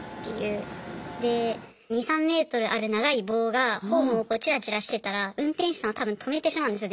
で２３ｍある長い棒がホームをこうちらちらしてたら運転士さんは多分止めてしまうんですよ